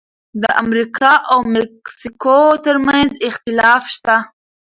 د امریکا او مکسیکو ترمنځ اختلاف شته.